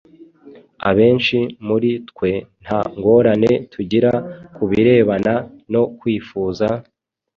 Abenshi muri twe nta ngorane tugira kubirebana no kwifuza,